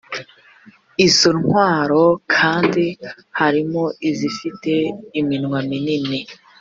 izo ntwaro kandi harimo izifite iminwa minini